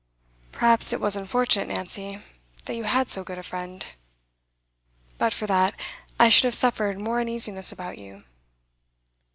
'Perhaps it was unfortunate, Nancy, that you had so good a friend. But for that, I should have suffered more uneasiness about you.